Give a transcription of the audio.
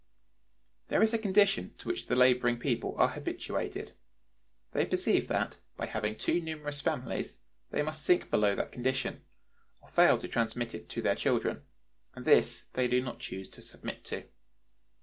There is a condition to which the laboring people are habituated; they perceive that, by having too numerous families, they must sink below that condition, or fail to transmit it to their children; and this they do not choose to submit to.